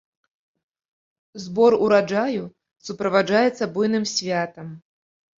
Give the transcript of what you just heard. Збор ураджаю суправаджаецца буйным святам.